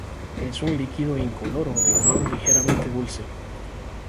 Es un líquido incoloro de olor ligeramente dulce.